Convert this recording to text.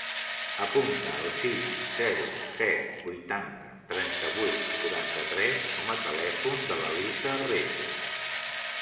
Apunta el sis, zero, set, vuitanta, trenta-vuit, quaranta-tres com a telèfon de l'Elisa Resa.